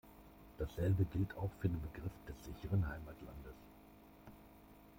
Dasselbe gilt auch für den Begriff des sicheren Heimatlandes.